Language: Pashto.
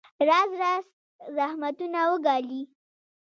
راز راز زحمتونه وګاللې.